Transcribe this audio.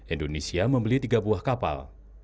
indonesia membeli tiga buah kapal